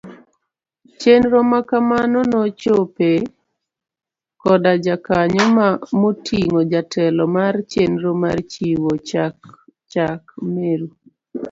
Chenro makamano nochope koda jokanyo moting'o jatelo mar chnero mar chiwo chak Meru.